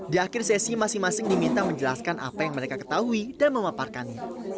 di akhir sesi masing masing diminta menjelaskan apa yang mereka ketahui dan memaparkannya